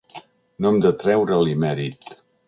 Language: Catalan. No hem de treure-li mèrit.